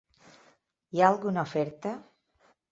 Hi ha alguna oferta?